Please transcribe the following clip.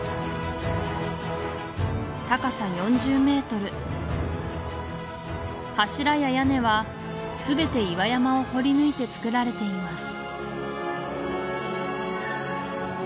高さ４０メートル柱や屋根はすべて岩山を掘り抜いてつくられています